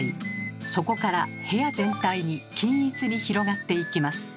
そこから部屋全体に均一に広がっていきます。